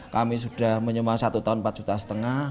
kami sudah menyema satu tahun empat juta setengah